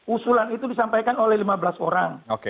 usulan itu disampaikan oleh lima belas orang